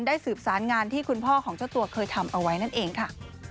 สืบสารงานที่คุณพ่อของเจ้าตัวเคยทำเอาไว้นั่นเองค่ะ